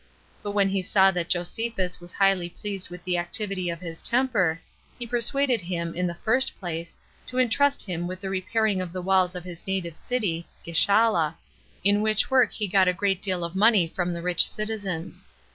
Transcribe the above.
But when he saw that Josephus was highly pleased with the activity of his temper, he persuaded him, in the first place, to intrust him with the repairing of the walls of his native city, [Gischala,] in which work he got a great deal of money from the rich citizens.